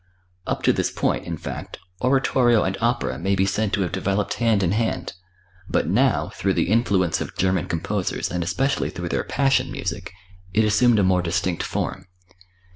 Up to this point, in fact, oratorio and opera may be said to have developed hand in hand, but now, through the influence of German composers and especially through their Passion Music, it assumed a more distinct form.